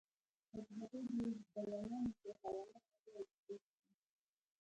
او د هغې د دوايانو پۀ حواله خبره اوکړم